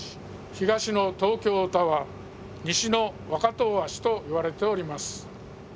東の東京タワー西の若戸大橋と言われております。